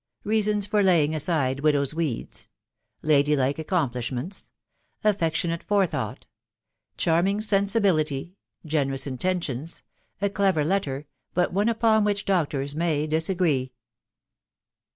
REASONS FOR LAYING ASIDE WlDOW*S WEEDS. — LADY LIKE ACCOMPLISHMENTS. — AFFECTIONATE tfOKE THOUGHT. — CHARMING SENSIBILITY. 'XHPWKftOCS lNTEKTtON*. A CLBTBR LETTER, BUT ONE tfFOK W*ICH DOCTORS JttfcY DISAGREE.